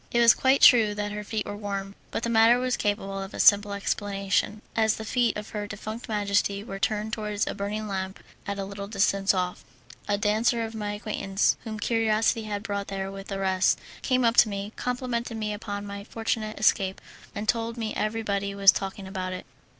It was quite true that her feet were warm, but the matter was capable of a simple explanation, as the feet of her defunct majesty were turned towards a burning lamp at a little distance off. A dancer of my acquaintance, whom curiosity had brought there with the rest, came up to me, complimented me upon my fortunate escape, and told me everybody was talking about it.